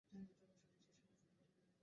সরলাকে নিয়ে রমেন ঘরে ঢুকল।